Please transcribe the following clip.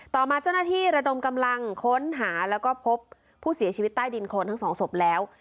ต่อมาเจ้าหน้าที่ระดมกำลังค้นหาแล้วก็พบผู้เสียชีวิตใต้ดินโคนทั้งสองศพแล้ว